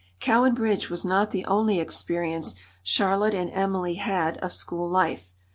Cowan Bridge was not the only experience Charlotte and Emily had of school life.